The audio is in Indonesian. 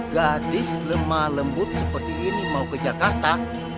gadis lemah lembut seperti ini mau ke jakarta